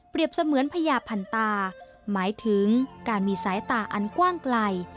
เสมือนพญาพันตาหมายถึงการมีสายตาอันกว้างไกล